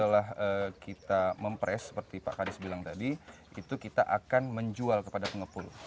setelah kita mempres seperti pak kadis bilang tadi itu kita akan menjual kepada pengepul